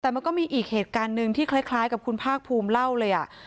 แต่มันก็มีอีกเหตุการณ์หนึ่งที่คล้ายกับคุณภาคภูมิเล่าเลย